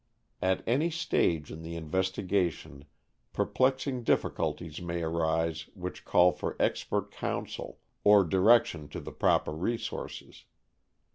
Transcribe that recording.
At any stage in the investigation perplexing difficulties may arise which call for expert counsel, or direction to the proper resources.